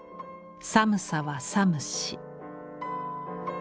寒さは寒し」。